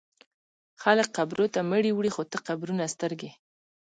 خلک قبرو ته مړي وړي خو ته قبرونه سترګې